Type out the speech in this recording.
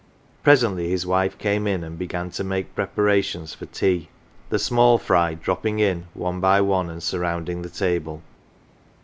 Presently his wife came in and began to make preparations for tea ; the small fry dropping in, one by one, and surrounding the table.